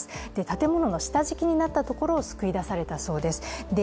建物の下敷きになったところを救い出されたそうです。